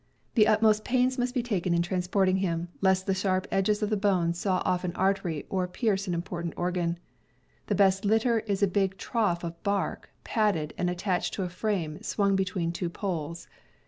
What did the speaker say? The utmost pains must be taken in transporting him, lest the sharp edges of the bones saw off an artery or pierce an important organ. The best litter is a big trough of bark, padded, and attached to a frame swung between two poles.